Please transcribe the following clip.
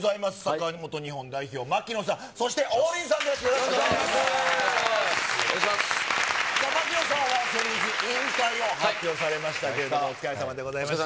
さあ、槙野さん、先日、引退を発表されましたけれども、お疲れさまでございました。